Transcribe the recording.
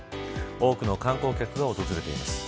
多くの観光客が訪れています。